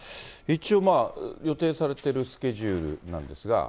一応予定されているスケジュールなんですが。